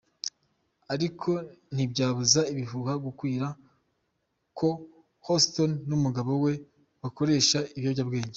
Ariko ntibyabuza ibihuha gukwira ko Houston n’umugabo we bakoresha ibiyobyabwenge.